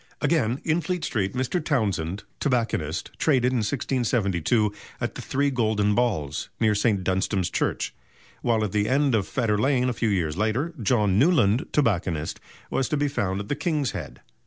Again, in Fleet Street, Mr. Townsend, tobacconist, traded in 1672 at the "Three Golden Balls," near St. Dunstan's Church; while at the end of Fetter Lane, a few years later, John Newland, tobacconist, was to be found at the "King's Head."